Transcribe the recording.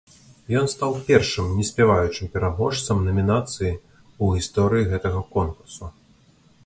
Ён стаў першым неспяваючым пераможцам намінацыі ў гісторыі гэтага конкурсу.